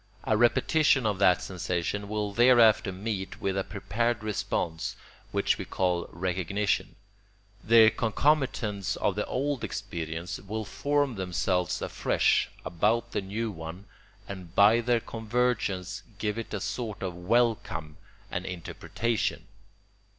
A repetition of that sensation will thereafter meet with a prepared response which we call recognition; the concomitants of the old experience will form themselves afresh about the new one and by their convergence give it a sort of welcome and interpretation.